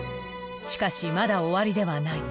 しかしまだ終わりではない。